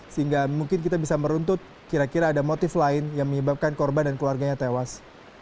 sehingga mungkin kita bisa meruntut kira kira ada motif lain yang menyebabkan korban dan keluarganya tewas